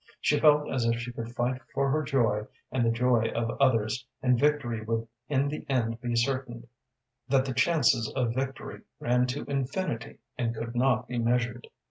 She felt as if she could fight for her joy and the joy of others, and victory would in the end be certain; that the chances of victory ran to infinity, and could not be measured.